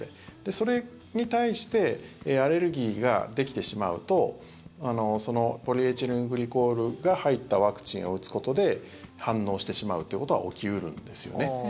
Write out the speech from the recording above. それに対してアレルギーができてしまうとそのポリエチレングリコールが入ったワクチンを打つことで反応してしまうということは起き得るんですよね。